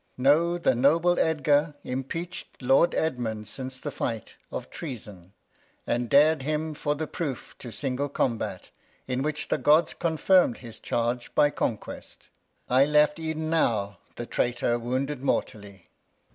Know, the noble Edgar Impeacht Lord Edmund, since the Fight, of Treason, And dar'd him for the Proof to single Combat, In which the Gods confirm'd his Charge by Conquest; I left ev'n now the Tray tor wounded Mortally!